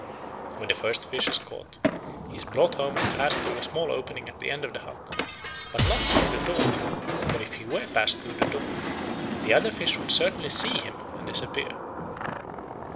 When the first fish is caught he is brought home and passed through a small opening at the end of the hut, but not through the door; for if he were passed through the door, "the other fish would certainly see him and disappear."